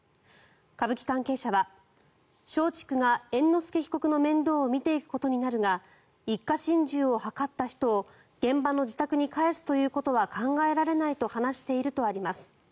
歌舞伎関係者は松竹が猿之助被告の面倒を見ていくことになるが一家心中を図った人を現場の自宅に帰すことは考えられないと話しているとあります。